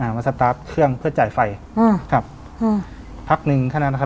มาสตาร์ทเครื่องเพื่อจ่ายไฟอืมครับอืมพักหนึ่งแค่นั้นนะครับ